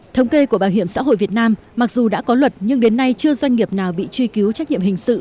thống kê của bảo hiểm xã hội việt nam mặc dù đã có luật nhưng đến nay chưa doanh nghiệp nào bị truy cứu trách nhiệm hình sự